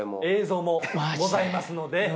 映像もございますので。